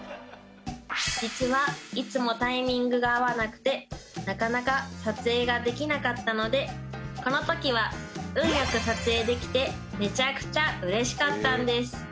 実はいつもタイミングが合わなくてなかなか撮影ができなかったのでこの時は運よく撮影できてメチャクチャ嬉しかったんです